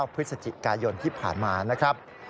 พฤศจิกายนที่ผ่านมานะครับ